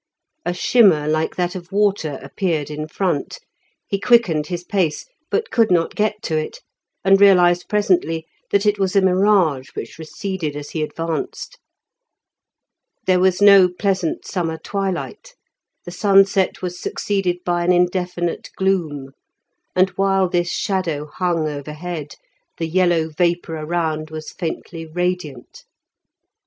A shimmer like that of water appeared in front; he quickened his pace, but could not get to it, and realized presently that it was a mirage which receded as he advanced. There was no pleasant summer twilight; the sunset was succeeded by an indefinite gloom, and while this shadow hung overhead the yellow vapour around was faintly radiant.